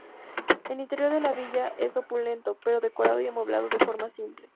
El interior de la villa es opulento, pero decorado y amueblado de forma simple.